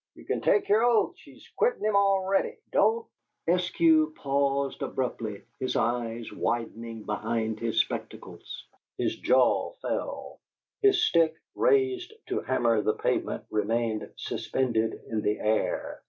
You can take your oath she's quit him already! Don't " Eskew paused abruptly, his eyes widening behind his spectacles; his jaw fell; his stick, raised to hammer the pavement, remained suspended in the air.